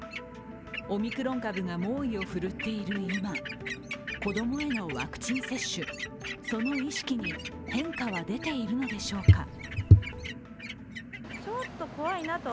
オミクロン株が猛威を振るっている今、子供へのワクチン接種、その意識に変化は出ているのでしょうか。